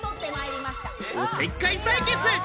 おせっかい採血。